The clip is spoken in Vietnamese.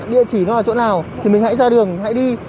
địa chỉ nó ở chỗ nào thì mình hãy ra đường hãy đi